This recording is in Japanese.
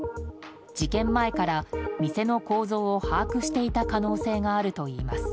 事件前から店の構造を把握していた可能性があるといいます。